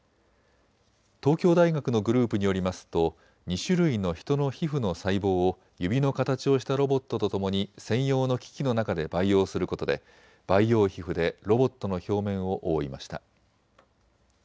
東京大学のグループによりますと２種類のヒトの皮膚の細胞を指の形をしたロボットとともに専用の機器の中で培養することで培養皮膚でロボットの表面を覆いました。